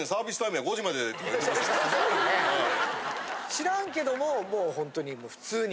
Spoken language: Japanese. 「知らんけど」ももうホントに普通に。